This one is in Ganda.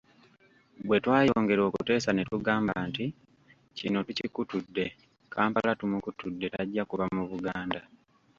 Bwe twayongera okuteesa ne tugamba nti kino tukikutudde, Kampala tumukutudde tajja kuva mu Buganda.